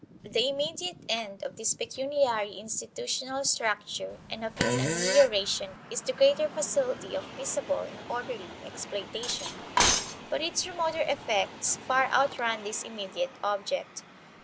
The immediate end of this pecuniary institutional structure and of its amelioration is the greater facility of peaceable and orderly exploitation; but its remoter effects far outrun this immediate object.